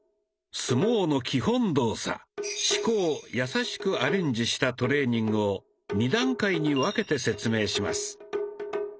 相撲の基本動作「四股」をやさしくアレンジしたトレーニングを２段階に分けて説明します。